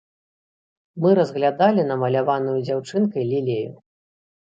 Мы разглядалі намаляваную дзяўчынкай лілею.